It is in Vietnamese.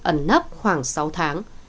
ẩn nấp khoảng sáu tháng